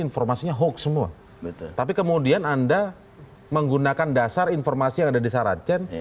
informasinya hoax semua tapi kemudian anda menggunakan dasar informasi yang ada di saracen